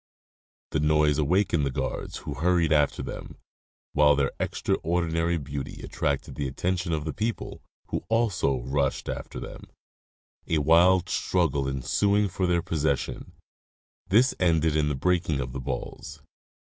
The noise awakened the guards, who hurried after them, while their extraordinary beauty attracted the attention of the people, who also rushed after them, a wild struggle ensuing for their possession ; this ended in the breaking of the balls.